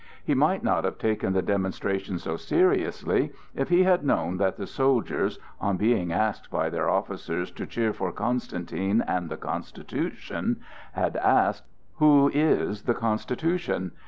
He might not have taken the demonstration so seriously if he had known that the soldiers, on being asked by their officers to cheer for Constantine and the Constitution had asked: "Who is the Constitution?"